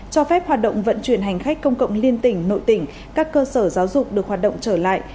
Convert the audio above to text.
cho phép hoạt động vận chuyển hành khách công cộng liên tỉnh nội tỉnh các cơ sở giáo dục được hoạt động trở lại